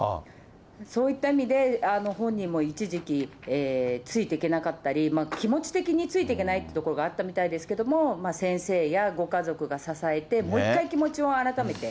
そういった意味で、本人も一時期ついていけなかったり、気持ち的についていけないっていうところがあったみたいですけど、先生やご家族が支えて、もう一回気持ちを改めて。